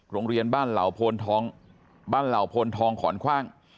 โรงเรียนบ้านเหล่าโพนทองบ้านเหล่าพลทองขอนคว่าง